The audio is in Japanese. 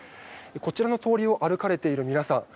こちらの通りを歩かれている皆さん